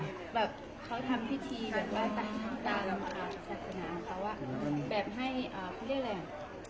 ทุติยังปิตพุทธธาเป็นที่พึ่ง